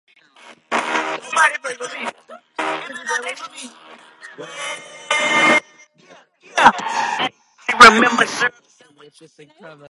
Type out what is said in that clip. She studied nutrition and dietetics at the University of Otago.